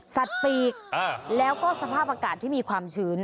ปีกแล้วก็สภาพอากาศที่มีความชื้น